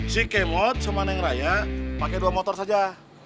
si kemot sama nengranya pakai dua motor saja